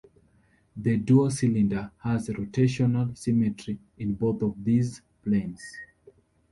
The duocylinder has rotational symmetry in both of these planes.